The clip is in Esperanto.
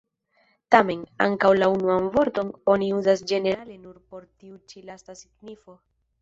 Tamen, ankaŭ la unuan vorton oni uzas ĝenerale nur por tiu ĉi lasta signifo.